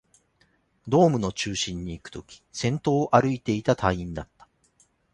ドームの中心にいくとき、先頭を歩いていた隊員だった